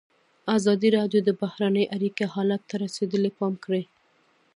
ازادي راډیو د بهرنۍ اړیکې حالت ته رسېدلي پام کړی.